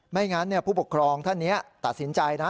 ไม่งั้นผู้ปกครองท่านนี้ตัดสินใจนะ